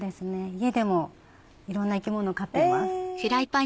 家でもいろんな生き物飼ってます。